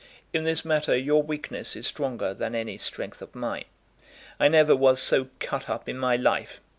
"In this matter your weakness is stronger than any strength of mine. I never was so cut up in my life.